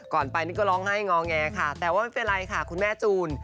ไปนี่ก็ร้องไห้งอแงค่ะแต่ว่าไม่เป็นไรค่ะคุณแม่จูน